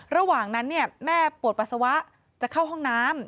ระหว่างนั้นแม่ปวดปัสสาวะจะเข้าห้องน้ำ